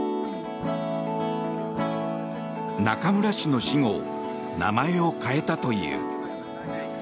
中村氏の死後名前を変えたという。